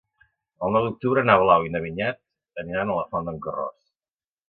El nou d'octubre na Blau i na Vinyet aniran a la Font d'en Carròs.